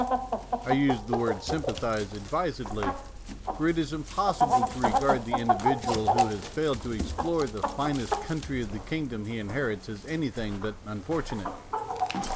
I use the word sympathize ad visedly, for it is impossible to regard the individual who has failed to explore the finest country of the kingdom he inherits as any thing but unfortunate.